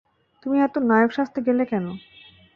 তুমি এতো নায়ক সাজতে গেলে কেন?